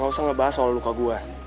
gak usah ngebahas soal luka gue